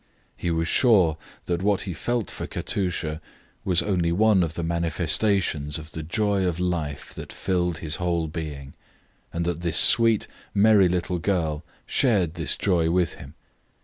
He was sure that what he felt for Katusha was only one of the manifestations of the joy of life that filled his whole being, and that this sweet, merry little girl shared this joy with him.